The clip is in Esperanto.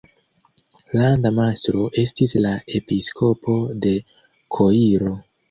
Landa mastro estis la episkopo de Koiro.